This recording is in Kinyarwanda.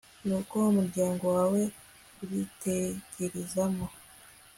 nuko umuryango wawe uritegerezamo